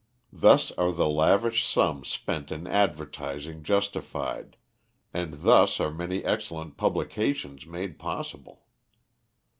Thus are the lavish sums spent in advertising justified, and thus are many excellent publications made possible.